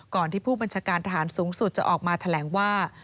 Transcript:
ที่ผู้บัญชาการทหารสูงสุดจะออกมาแถลงว่า